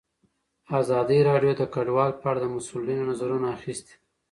ازادي راډیو د کډوال په اړه د مسؤلینو نظرونه اخیستي.